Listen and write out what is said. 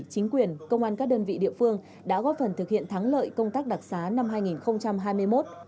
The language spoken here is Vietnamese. chính quyền công an các đơn vị địa phương đã góp phần thực hiện thắng lợi công tác đặc xá năm hai nghìn hai mươi một